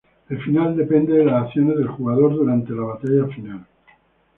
El final depende de las acciones del jugador durante la batalla final.